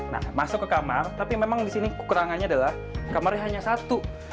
nah masuk ke kamar tapi memang di sini kekurangannya adalah kamarnya hanya satu